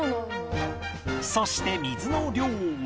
そして水の量は